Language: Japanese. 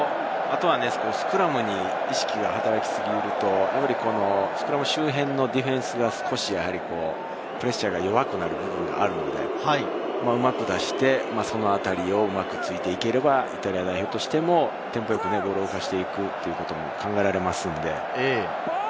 スクラムに意識が働き過ぎると、スクラム周辺のディフェンスが少しプレッシャーが弱くなる部分があるので、うまく出して、そのあたりを突いていければイタリア代表としてもテンポよくボールを動かしていくことが考えられますので。